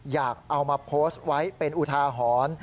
อยากเอามาโพสต์ไว้เป็นอุทาหรณ์